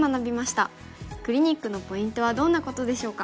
クリニックのポイントはどんなことでしょうか。